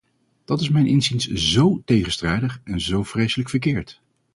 Dat is mijns inziens zó tegenstrijdig en zo vreselijk verkeerd.